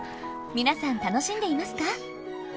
皆さん楽しんでいますか？